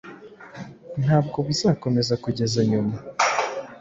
Ntabwo bizakomeza kugeza nyuma